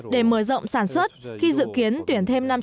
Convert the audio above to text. để mở rộng sản xuất khi dự kiến tuyển thêm năm trăm linh